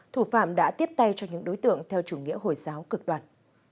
thủ phạm đã tiếp tay cho những đối tượng theo chủ nghĩa hồi giáo cực đoàn